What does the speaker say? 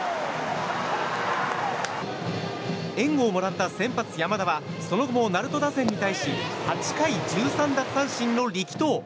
援護をもらった先発、山田はその後も鳴門打線に対し８回１３奪三振の力投。